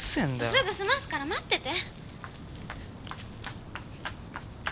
すぐ済ますから待ってて。